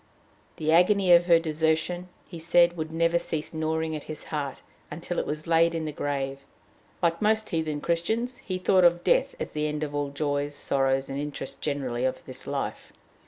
The agony of her desertion, he said, would never cease gnawing at his heart until it was laid in the grave; like most heathen Christians, he thought of death as the end of all the joys, sorrows, and interests generally of this life.